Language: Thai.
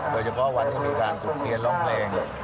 โดยเฉพาะวันที่มีการจุดเทียนร้องเพลง